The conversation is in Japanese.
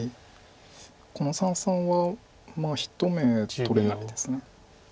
この三々はひと目取れないです。